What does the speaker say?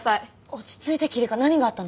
落ち着いて希梨香何があったの？